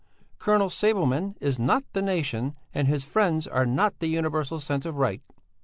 Colonel Sabelman is not the nation and his friends are not the universal sense of right.